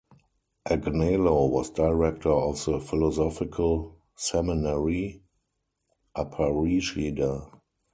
Agnelo was director of the philosophical seminary, Aparecida.